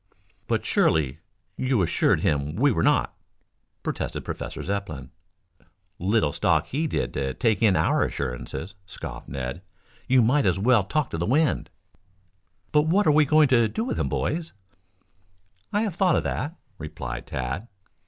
"But surely you assured him we were not," protested Professor Zepplin. "Little stock did he take in our assurances," scoffed Ned. "You might as well talk to the wind." "But what are we going to do with him, boys?" "I have thought of that," replied Tad.